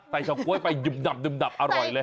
ใส่เฉาก๊วยไปหยุดดำอร่อยเลย